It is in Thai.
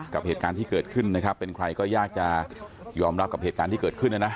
กับเหตุการณ์ที่เกิดขึ้นนะครับเป็นใครก็ยากจะยอมรับกับเหตุการณ์ที่เกิดขึ้นนะนะ